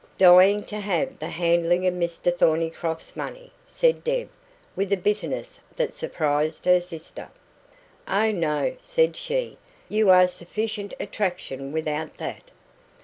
"Dying to have the handling of Mr Thornycroft's money," said Deb, with a bitterness that surprised her sister. "Oh, no," said she; "you are sufficient attraction without that."